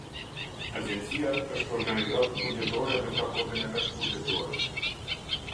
Agjencia është organizate buxhetore dhe ka kodin e vet buxhetor.